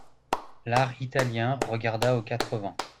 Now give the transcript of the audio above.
L'art italien regarda aux quatre vents.